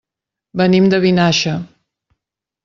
Venim de Vinaixa.